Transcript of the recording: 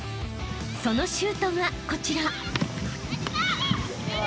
［そのシュートがこちら］